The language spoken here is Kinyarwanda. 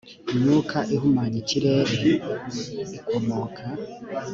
myuka ihumanya ikirere ikomoka